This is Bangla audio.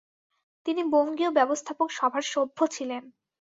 তিনি বঙ্গীয় ব্যবস্থাপক সভার সভ্য ছিলেন ।